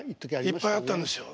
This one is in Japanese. いっぱいあったんですよ。